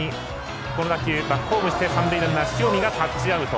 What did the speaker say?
この打球バックホームして三塁ランナー、塩見がタッチアウト。